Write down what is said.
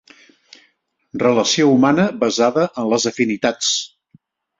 Relació humana basada en les afinitats.